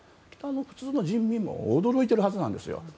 普通の人民も驚いてるはずなんですよ。